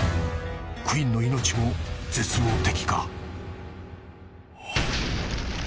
［クインの命も絶望的か⁉］